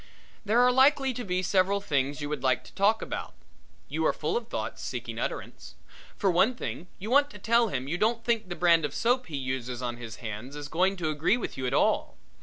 There are likely to be several things you would like to talk about. You are full of thoughts seeking utterance. For one thing you want to tell him you don't think the brand of soap he uses on his hands is going to agree with you at all.